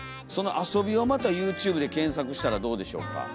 その遊びをまたＹｏｕＴｕｂｅで検索したらどうでしょうか。